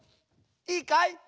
いいかい？